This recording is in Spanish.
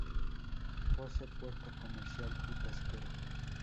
Posee puerto comercial y pesquero.